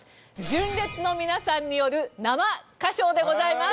純烈の皆さんによる生歌唱でございます。